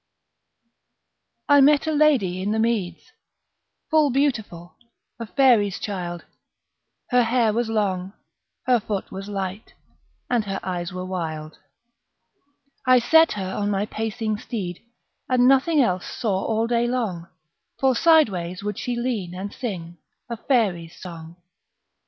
I met a lady in the meads, Full beautiful, a faery's child: Her hair was long, her foot was ligh, And her eyes were wild. I set her on my pacing steed, And nothing else saw all day long; For sideways would she lean, and sing A faery's song.